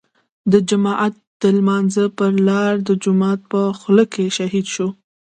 د جماعت د لمانځه پر لار د جومات په خوله کې شهيد شو.